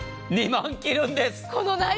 ２万切るんです。